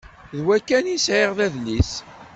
D wa kan i sεiɣ d adlis.